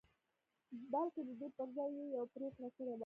بلکې د دې پر ځای يې يوه پرېکړه کړې وه.